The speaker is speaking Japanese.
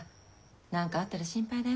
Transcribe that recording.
何かあったら心配だよ。